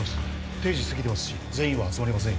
定時過ぎてますし全員は集まりませんよ